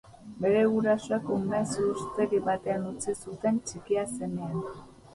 Bere gurasoek umezurztegi batean utzi zuten txikia zenean.